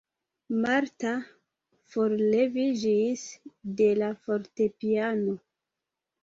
Marta forleviĝis de la fortepiano.